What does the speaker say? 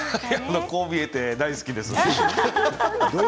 こう見えて大好きです。